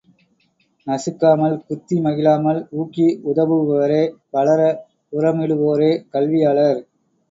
நசுக்காமல், குத்தி மகிழாமல், ஊக்கி உதவுபவரே, வளர உரமிடுவோரே, கல்வியாளர்.